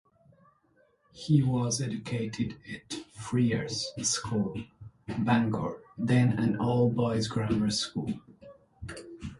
He was educated at Friars School, Bangor, then an all-boys grammar school.